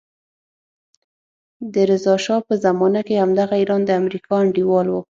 د رضا شا په زمانه کې همدغه ایران د امریکا انډیوال وو.